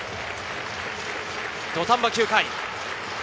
土壇場９回。